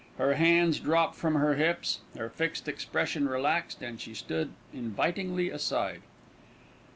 Her hands dropped from her hips, her fixed expression relaxed, and she stood invitingly aside.